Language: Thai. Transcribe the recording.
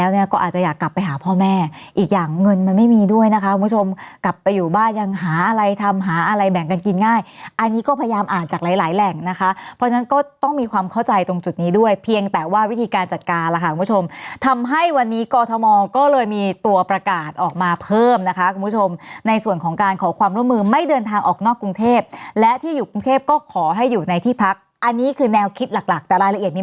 อันนี้ก็พยายามอ่านจากหลายแหล่งนะคะเพราะฉะนั้นก็ต้องมีความเข้าใจตรงจุดนี้ด้วยเพียงแต่ว่าวิธีการจัดการนะคะคุณผู้ชมทำให้วันนี้กอทมก็เลยมีตัวประกาศออกมาเพิ่มนะคะคุณผู้ชมในส่วนของการขอความร่วมมือไม่เดินทางออกนอกกรุงเทพและที่อยู่กรุงเทพก็ขอให้อยู่ในที่พักอันนี้คือแนวคลิปหลักแต่ราย